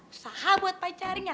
usaha buat pacarnya